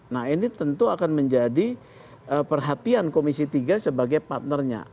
nah ini tentu akan menjadi perhatian komisi tiga sebagai partnernya